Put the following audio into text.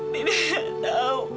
bibi nggak tahu